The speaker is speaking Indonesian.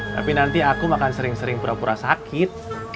tapi nanti aku makan sering sering pura pura sakit